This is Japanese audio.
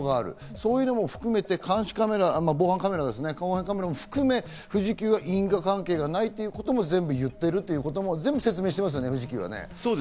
そういうのも含めて防犯カメラも含め富士急は因果関係がないということも言っているということも説明してますね、富士急は。